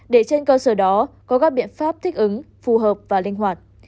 để trên cơ sở đó có các biện pháp thích ứng phù hợp và linh hoạt